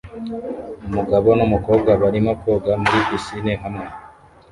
Umugabo numukobwa barimo koga muri pisine hamwe